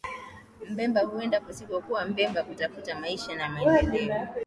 Mpemba huenda kusikokua Pemba kutafuta maisha na maendeleo